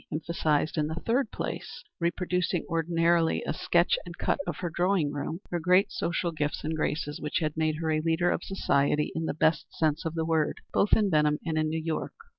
Emphasized in the third place reproducing ordinarily a sketch and cut of her drawing room her great social gifts and graces, which had made her a leader of society in the best sense of the word both in Benham and in New York.